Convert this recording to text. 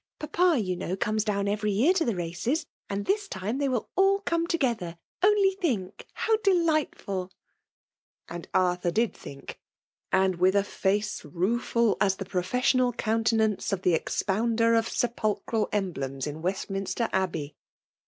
'Pkpa« yoa Icnow,' comes down every year to the races,' and diis time they will all come together — only think, how delightfbl !" And^Avthur did think! — and with a face ruefel as the professional countenance of the expawBkdnt of sepulchral emblems in West^ liiittster Abbey